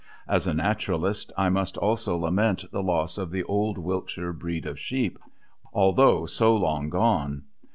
As a naturalist I must also lament the loss of the old Wiltshire breed of sheep, although so long gone.